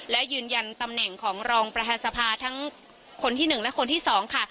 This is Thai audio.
และยืนยันตำแหน่งของรองประธานสภาทั้งคนที่๑และคนที่๒ค่ะ